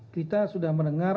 kita sudah mendengar